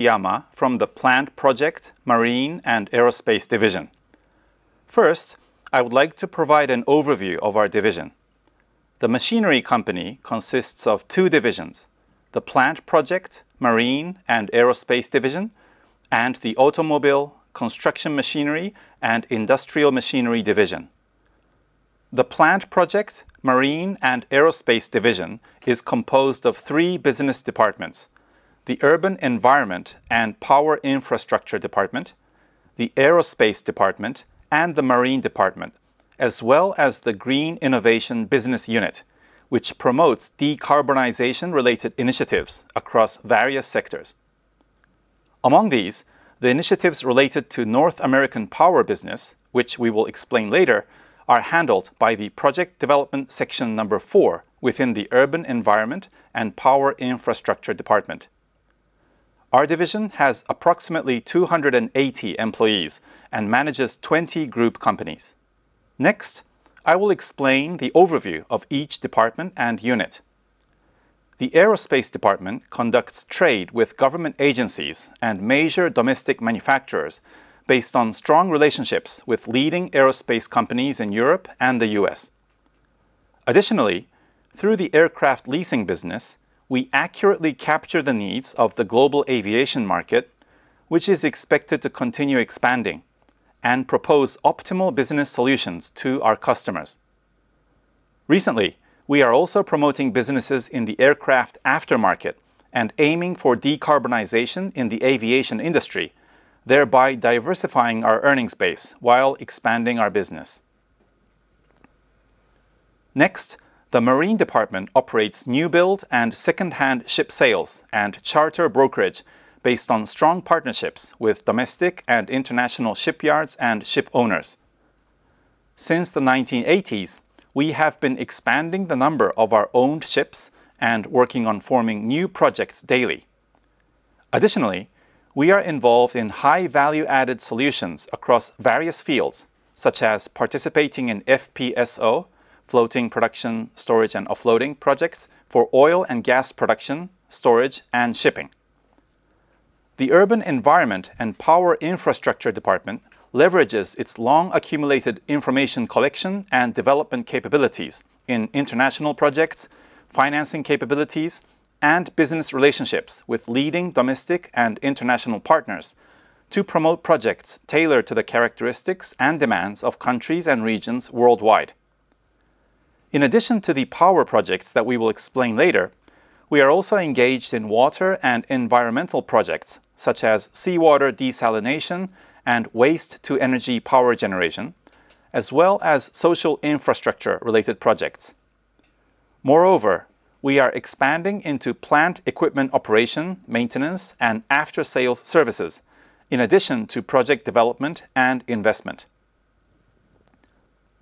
Yamaura from the Plant Project, Marine and Aerospace Division. First, I would like to provide an overview of our division. The Machinery Company consists of two divisions: the Plant Project, Marine and Aerospace Division, and the Automobile, Construction Machinery, and Industrial Machinery Division. The Plant Project, Marine and Aerospace Division is composed of three business departments: the Urban Environmental and Power Infrastructure Department, the Aerospace Department, and the Marine Department, as well as the Green Innovation Business Unit, which promotes decarbonization-related initiatives across various sectors. Among these, the initiatives related to North American power business, which we will explain later, are handled by the Project Development Section Number 4 within the Urban Environmental and Power Infrastructure Department. Our division has approximately 280 employees and manages 20 group companies. Next, I will explain the overview of each department and unit. The Aerospace Department conducts trade with government agencies and major domestic manufacturers based on strong relationships with leading aerospace companies in Europe and the U.S. Additionally, through the aircraft leasing business, we accurately capture the needs of the global aviation market, which is expected to continue expanding, and propose optimal business solutions to our customers. Recently, we are also promoting businesses in the aircraft aftermarket and aiming for decarbonization in the aviation industry, thereby diversifying our earnings base while expanding our business. Next, the Marine Department operates new build and second-hand ship sales and charter brokerage based on strong partnerships with domestic and international shipyards and ship owners. Since the 1980s, we have been expanding the number of our owned ships and working on forming new projects daily. Additionally, we are involved in high-value-added solutions across various fields, such as participating in FPSO (floating production, storage, and offloading) projects for oil and gas production, storage, and shipping. The Urban Environmental and Power Infrastructure Department leverages its long-accumulated information collection and development capabilities in international projects, financing capabilities, and business relationships with leading domestic and international partners to promote projects tailored to the characteristics and demands of countries and regions worldwide. In addition to the power projects that we will explain later, we are also engaged in water and environmental projects, such as seawater desalination and waste-to-energy power generation, as well as social infrastructure-related projects. Moreover, we are expanding into plant equipment operation, maintenance, and after-sales services, in addition to project development and investment.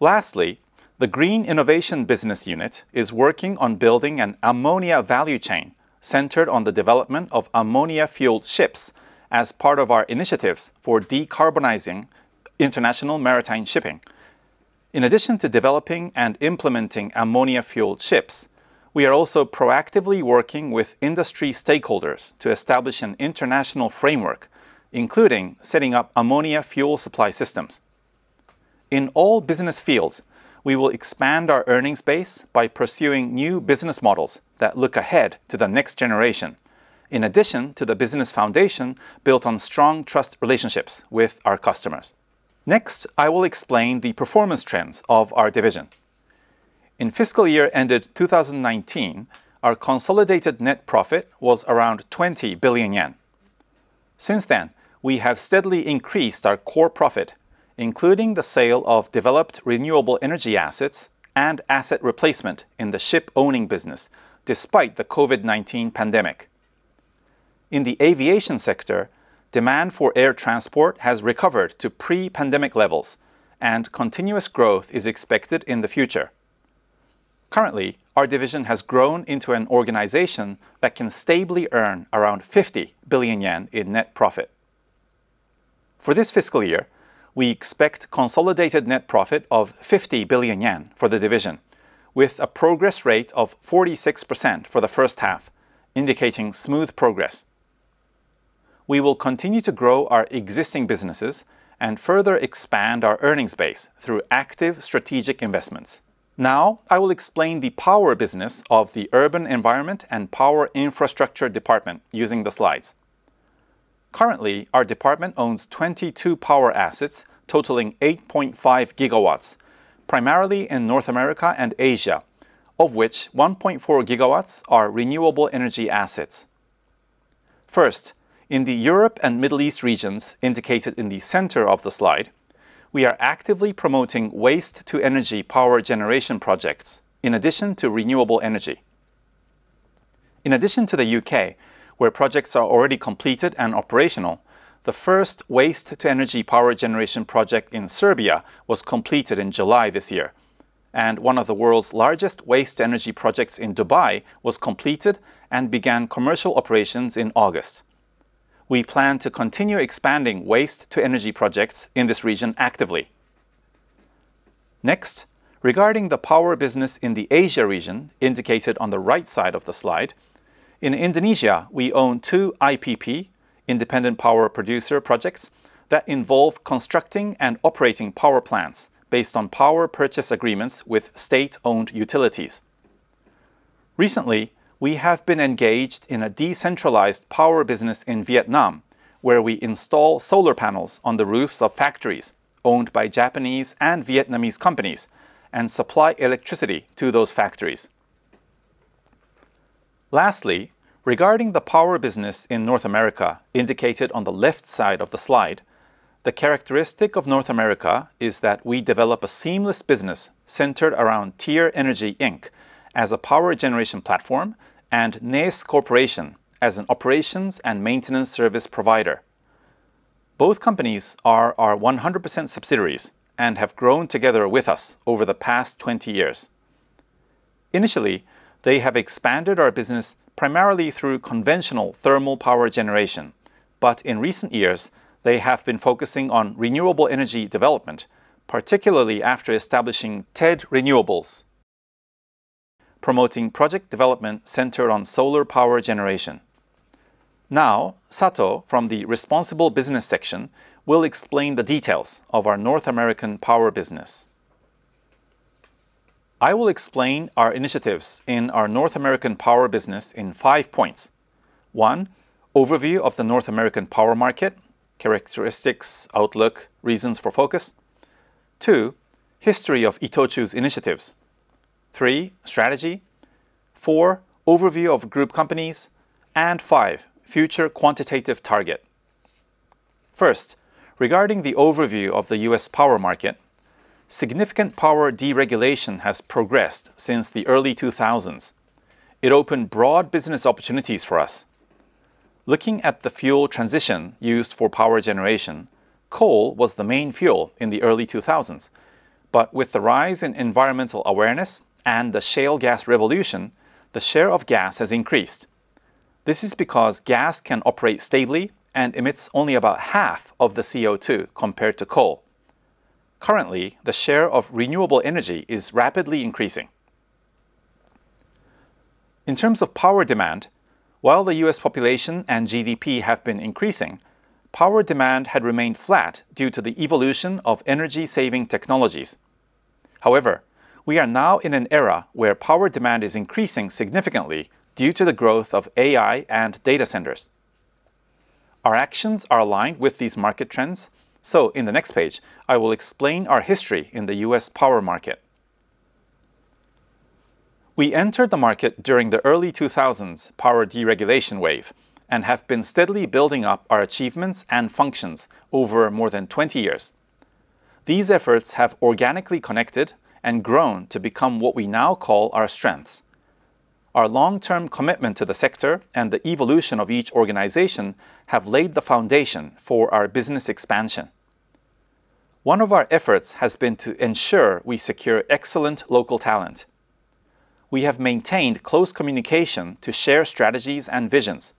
Lastly, the Green Innovation Business Unit is working on building an ammonia value chain centered on the development of ammonia-fueled ships as part of our initiatives for decarbonizing international maritime shipping. In addition to developing and implementing ammonia-fueled ships, we are also proactively working with industry stakeholders to establish an international framework, including setting up ammonia fuel supply systems. In all business fields, we will expand our earnings base by pursuing new business models that look ahead to the next generation, in addition to the business foundation built on strong trust relationships with our customers. Next, I will explain the performance trends of our division. In fiscal year ended 2019, our consolidated net profit was around 20 billion yen. Since then, we have steadily increased our core profit, including the sale of developed renewable energy assets and asset replacement in the ship-owning business, despite the COVID-19 pandemic. In the aviation sector, demand for air transport has recovered to pre-pandemic levels, and continuous growth is expected in the future. Currently, our division has grown into an organization that can stably earn around 50 billion yen in net profit. For this fiscal year, we expect consolidated net profit of 50 billion yen for the division, with a progress rate of 46% for the first half, indicating smooth progress. We will continue to grow our existing businesses and further expand our earnings base through active strategic investments. Now, I will explain the power business of the Urban Environmental and Power Infrastructure Department using the slides. Currently, our department owns 22 power assets totaling 8.5 gigawatts, primarily in North America and Asia, of which 1.4 gigawatts are renewable energy assets. First, in the Europe and Middle East regions indicated in the center of the slide, we are actively promoting waste-to-energy power generation projects, in addition to renewable energy. In addition to the U.K., where projects are already completed and operational, the first waste-to-energy power generation project in Serbia was completed in July this year, and one of the world's largest waste-to-energy projects in Dubai was completed and began commercial operations in August. We plan to continue expanding waste-to-energy projects in this region actively. Next, regarding the power business in the Asia region indicated on the right side of the slide, in Indonesia, we own two IPP (Independent Power Producer) projects that involve constructing and operating power plants based on power purchase agreements with state-owned utilities. Recently, we have been engaged in a decentralized power business in Vietnam, where we install solar panels on the roofs of factories owned by Japanese and Vietnamese companies and supply electricity to those factories. Lastly, regarding the power business in North America indicated on the left side of the slide, the characteristic of North America is that we develop a seamless business centered around Tyr Energy, Inc. as a power generation platform and NAES Corporation as an operations and maintenance service provider. Both companies are our 100% subsidiaries and have grown together with us over the past 20 years. Initially, they have expanded our business primarily through conventional thermal power generation, but in recent years, they have been focusing on renewable energy development, particularly after establishing TED Renewables, promoting project development centered on solar power generation. Now, Sato, from the responsible business section, will explain the details of our North American power business. I will explain our initiatives in our North American power business in five points: 1. Overview of the North American power market: characteristics, outlook, reasons for focus. 2. History of ITOCHU's initiatives. 3. Strategy. 4. Overview of group companies. And 5. Future quantitative target. First, regarding the overview of the U.S. power market, significant power deregulation has progressed since the early 2000s. It opened broad business opportunities for us. Looking at the fuel transition used for power generation, coal was the main fuel in the early 2000s, but with the rise in environmental awareness and the shale gas revolution, the share of gas has increased. This is because gas can operate stably and emits only about half of the CO2 compared to coal. Currently, the share of renewable energy is rapidly increasing. In terms of power demand, while the U.S. population and GDP have been increasing, power demand had remained flat due to the evolution of energy-saving technologies. However, we are now in an era where power demand is increasing significantly due to the growth of AI and data centers. Our actions are aligned with these market trends, so in the next page, I will explain our history in the U.S. power market. We entered the market during the early 2000s power deregulation wave and have been steadily building up our achievements and functions over more than 20 years. These efforts have organically connected and grown to become what we now call our strengths. Our long-term commitment to the sector and the evolution of each organization have laid the foundation for our business expansion. One of our efforts has been to ensure we secure excellent local talent. We have maintained close communication to share strategies and visions.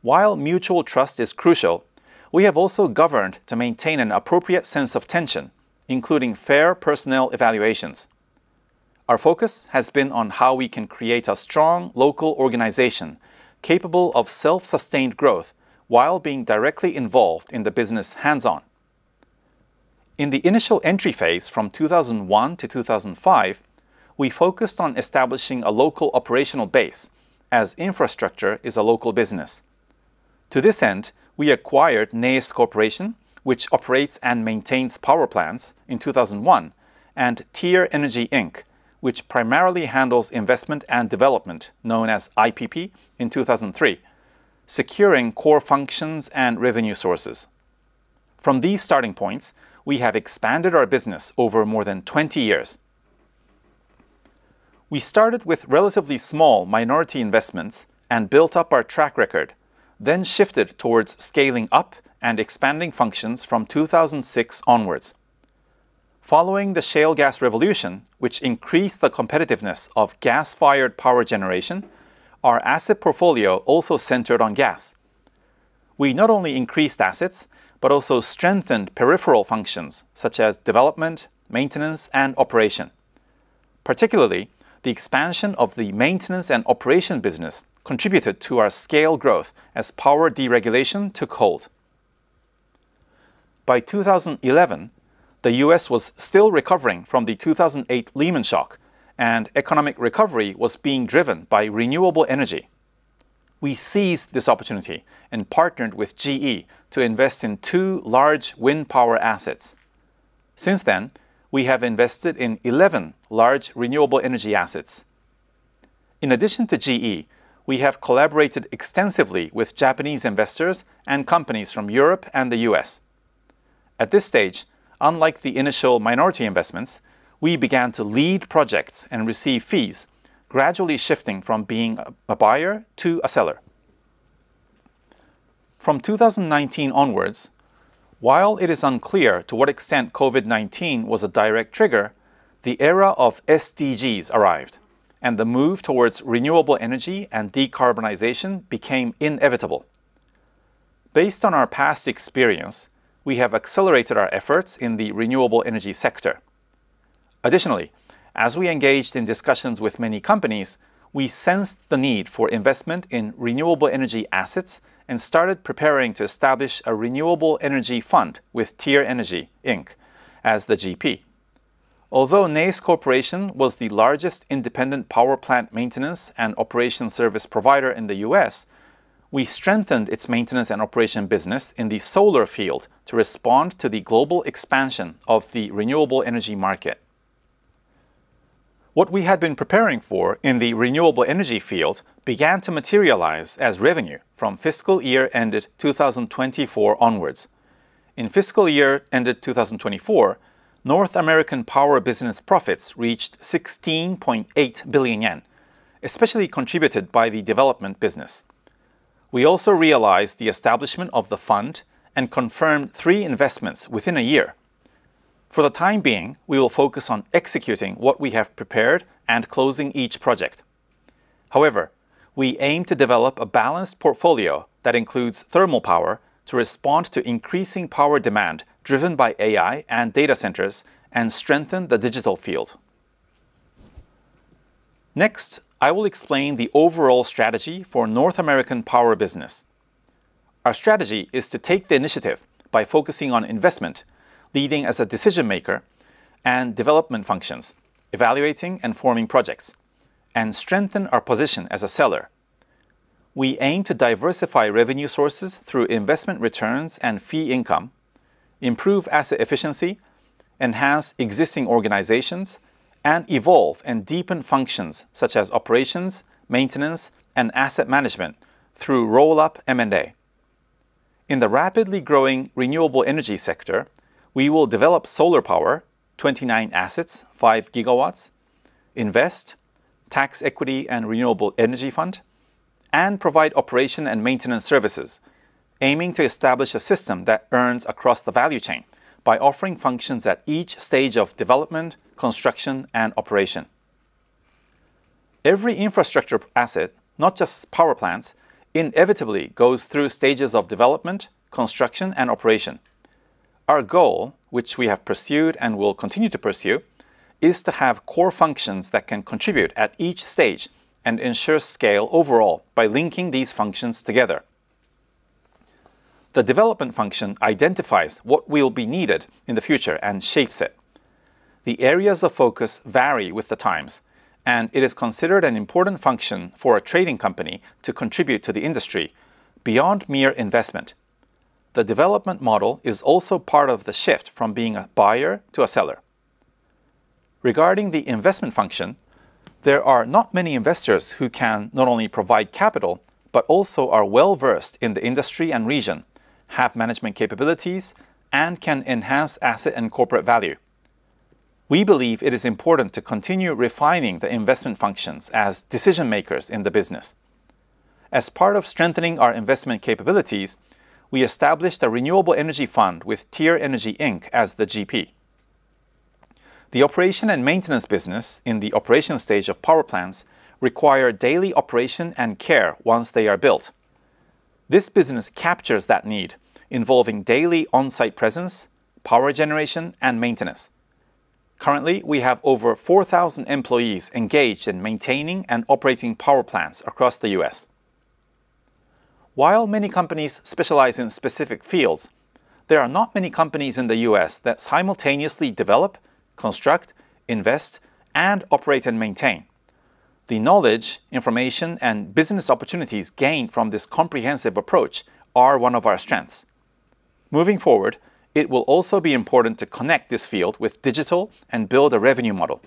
While mutual trust is crucial, we have also governed to maintain an appropriate sense of tension, including fair personnel evaluations. Our focus has been on how we can create a strong local organization capable of self-sustained growth while being directly involved in the business hands-on. In the initial entry phase from 2001 to 2005, we focused on establishing a local operational base, as infrastructure is a local business. To this end, we acquired NAES Corporation, which operates and maintains power plants, in 2001, and Tyr Energy, Inc., which primarily handles investment and development, known as IPP, in 2003, securing core functions and revenue sources. From these starting points, we have expanded our business over more than 20 years. We started with relatively small minority investments and built up our track record, then shifted towards scaling up and expanding functions from 2006 onwards. Following the shale gas revolution, which increased the competitiveness of gas-fired power generation, our asset portfolio also centered on gas. We not only increased assets but also strengthened peripheral functions such as development, maintenance, and operation. Particularly, the expansion of the maintenance and operation business contributed to our scale growth as power deregulation took hold. By 2011, the U.S. was still recovering from the 2008 Lehman Shock, and economic recovery was being driven by renewable energy. We seized this opportunity and partnered with GE to invest in two large wind power assets. Since then, we have invested in 11 large renewable energy assets. In addition to GE, we have collaborated extensively with Japanese investors and companies from Europe and the U.S. At this stage, unlike the initial minority investments, we began to lead projects and receive fees, gradually shifting from being a buyer to a seller. From 2019 onwards, while it is unclear to what extent COVID-19 was a direct trigger, the era of SDGs arrived, and the move towards renewable energy and decarbonization became inevitable. Based on our past experience, we have accelerated our efforts in the renewable energy sector. Additionally, as we engaged in discussions with many companies, we sensed the need for investment in renewable energy assets and started preparing to establish a renewable energy fund with Tyr Energy, Inc., as the GP. Although NAES Corporation was the largest independent power plant maintenance and operation service provider in the U.S., we strengthened its maintenance and operation business in the solar field to respond to the global expansion of the renewable energy market. What we had been preparing for in the renewable energy field began to materialize as revenue from fiscal year ended 2024 onwards. In fiscal year ended 2024, North American power business profits reached 16.8 billion yen, especially contributed by the development business. We also realized the establishment of the fund and confirmed three investments within a year. For the time being, we will focus on executing what we have prepared and closing each project. However, we aim to develop a balanced portfolio that includes thermal power to respond to increasing power demand driven by AI and data centers and strengthen the digital field. Next, I will explain the overall strategy for North American power business. Our strategy is to take the initiative by focusing on investment, leading as a decision maker, and development functions, evaluating and forming projects, and strengthen our position as a seller. We aim to diversify revenue sources through investment returns and fee income, improve asset efficiency, enhance existing organizations, and evolve and deepen functions such as operations, maintenance, and asset management through roll-up M&A. In the rapidly growing renewable energy sector, we will develop solar power, 29 assets, five gigawatts, invest, tax equity and renewable energy fund, and provide operation and maintenance services, aiming to establish a system that earns across the value chain by offering functions at each stage of development, construction, and operation. Every infrastructure asset, not just power plants, inevitably goes through stages of development, construction, and operation. Our goal, which we have pursued and will continue to pursue, is to have core functions that can contribute at each stage and ensure scale overall by linking these functions together. The development function identifies what will be needed in the future and shapes it. The areas of focus vary with the times, and it is considered an important function for a trading company to contribute to the industry beyond mere investment. The development model is also part of the shift from being a buyer to a seller. Regarding the investment function, there are not many investors who can not only provide capital but also are well-versed in the industry and region, have management capabilities, and can enhance asset and corporate value. We believe it is important to continue refining the investment functions as decision makers in the business. As part of strengthening our investment capabilities, we established a renewable energy fund with Tyr Energy, Inc. as the GP. The operation and maintenance business in the operation stage of power plants requires daily operation and care once they are built. This business captures that need, involving daily on-site presence, power generation, and maintenance. Currently, we have over 4,000 employees engaged in maintaining and operating power plants across the U.S. While many companies specialize in specific fields, there are not many companies in the U.S. that simultaneously develop, construct, invest, and operate and maintain. The knowledge, information, and business opportunities gained from this comprehensive approach are one of our strengths. Moving forward, it will also be important to connect this field with digital and build a revenue model.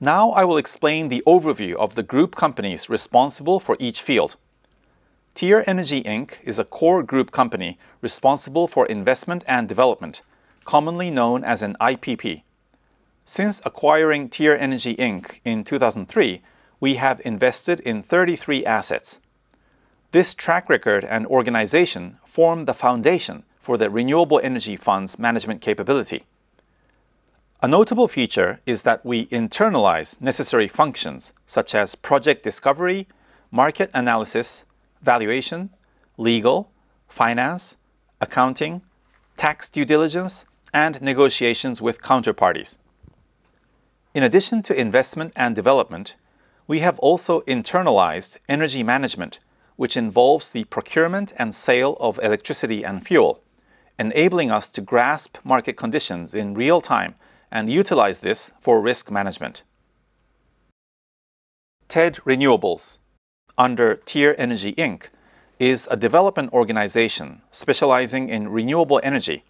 Now, I will explain the overview of the group companies responsible for each field. Tyr Energy, Inc. is a core group company responsible for investment and development, commonly known as an IPP. Since acquiring Tyr Energy, Inc. in 2003, we have invested in 33 assets. This track record and organization form the foundation for the renewable energy fund's management capability. A notable feature is that we internalize necessary functions such as project discovery, market analysis, valuation, legal, finance, accounting, tax due diligence, and negotiations with counterparties. In addition to investment and development, we have also internalized energy management, which involves the procurement and sale of electricity and fuel, enabling us to grasp market conditions in real time and utilize this for risk management. TED Renewables, under Tyr Energy, Inc., is a development organization specializing in renewable energy,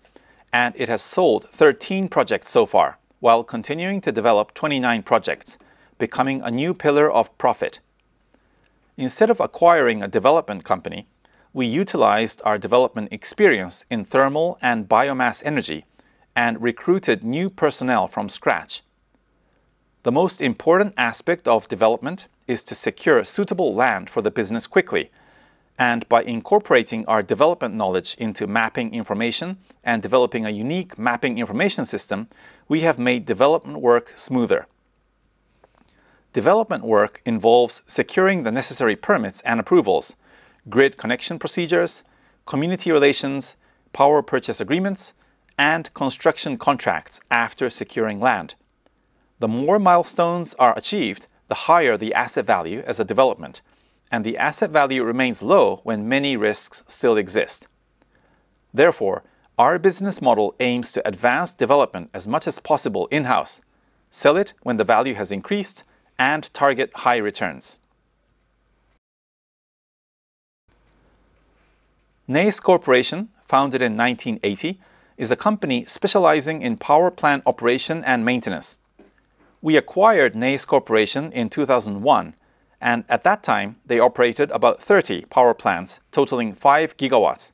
and it has sold 13 projects so far while continuing to develop 29 projects, becoming a new pillar of profit. Instead of acquiring a development company, we utilized our development experience in thermal and biomass energy and recruited new personnel from scratch. The most important aspect of development is to secure suitable land for the business quickly, and by incorporating our development knowledge into mapping information and developing a unique mapping information system, we have made development work smoother. Development work involves securing the necessary permits and approvals, grid connection procedures, community relations, power purchase agreements, and construction contracts after securing land. The more milestones are achieved, the higher the asset value as a development, and the asset value remains low when many risks still exist. Therefore, our business model aims to advance development as much as possible in-house, sell it when the value has increased, and target high returns. NAES Corporation, founded in 1980, is a company specializing in power plant operation and maintenance. We acquired NAES Corporation in 2001, and at that time, they operated about 30 power plants totaling five gigawatts.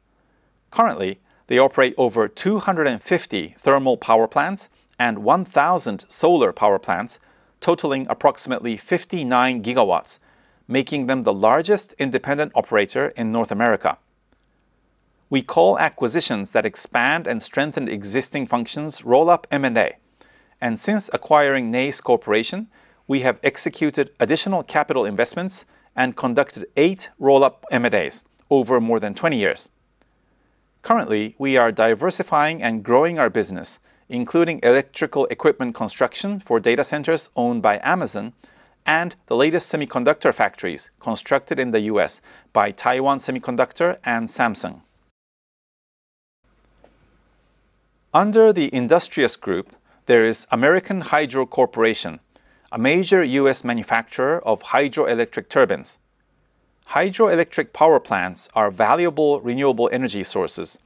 Currently, they operate over 250 thermal power plants and 1,000 solar power plants, totaling approximately 59 gigawatts, making them the largest independent operator in North America. We call acquisitions that expand and strengthen existing functions roll-up M&A, and since acquiring NAES Corporation, we have executed additional capital investments and conducted eight roll-up M&As over more than 20 years. Currently, we are diversifying and growing our business, including electrical equipment construction for data centers owned by Amazon and the latest semiconductor factories constructed in the U.S. by Taiwan Semiconductor and Samsung. Under the Industrial Group, there is American Hydro Corporation, a major U.S. manufacturer of hydroelectric turbines. Hydroelectric power plants are valuable renewable energy sources,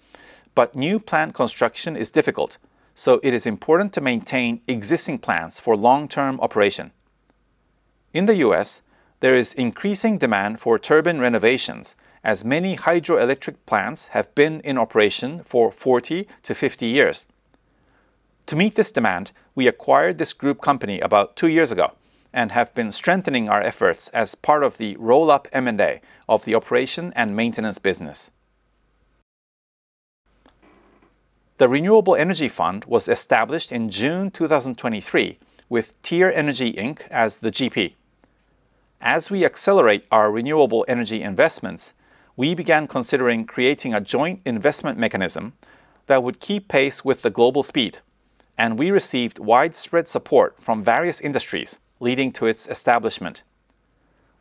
but new plant construction is difficult, so it is important to maintain existing plants for long-term operation. In the U.S., there is increasing demand for turbine renovations as many hydroelectric plants have been in operation for 40-50 years. To meet this demand, we acquired this group company about two years ago and have been strengthening our efforts as part of the roll-up M&A of the operation and maintenance business. The renewable energy fund was established in June 2023 with Tyr Energy, Inc. as the GP. As we accelerate our renewable energy investments, we began considering creating a joint investment mechanism that would keep pace with the global speed, and we received widespread support from various industries leading to its establishment.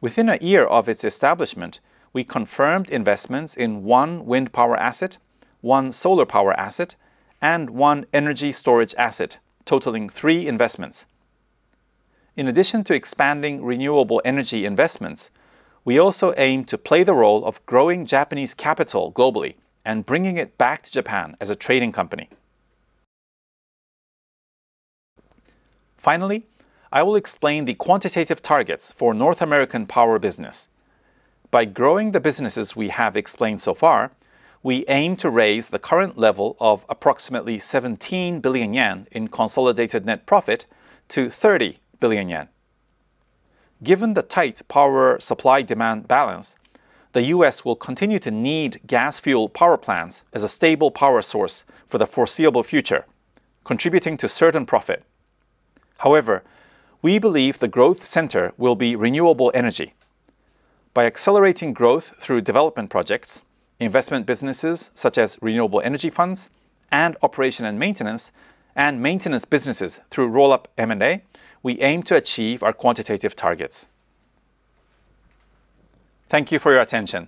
Within a year of its establishment, we confirmed investments in one wind power asset, one solar power asset, and one energy storage asset, totaling three investments. In addition to expanding renewable energy investments, we also aim to play the role of growing Japanese capital globally and bringing it back to Japan as a trading company. Finally, I will explain the quantitative targets for North American power business. By growing the businesses we have explained so far, we aim to raise the current level of approximately 17 billion yen in consolidated net profit to 30 billion yen. Given the tight power supply-demand balance, the U.S. will continue to need gas-fueled power plants as a stable power source for the foreseeable future, contributing to certain profit. However, we believe the growth center will be renewable energy. By accelerating growth through development projects, investment businesses such as renewable energy funds, and operation and maintenance, and maintenance businesses through roll-up M&A, we aim to achieve our quantitative targets. Thank you for your attention.